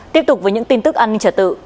tiếp tục với những tin tức an ninh trả tự